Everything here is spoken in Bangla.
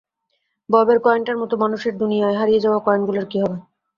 ববের কয়েনটার মতো মানুষের দুনিয়ায় হারিয়ে যাওয়া কয়েনগুলোর কী হবে?